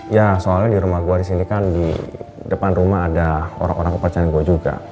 ya soalnya di rumah gue disini kan di depan rumah ada orang orang kepercayaan gue juga